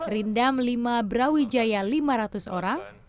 rindam lima brawijaya lima ratus orang